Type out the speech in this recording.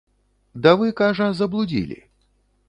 Да вы, кажа, заблудзілі.